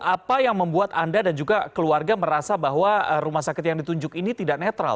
apa yang membuat anda dan juga keluarga merasa bahwa rumah sakit yang ditunjuk ini tidak netral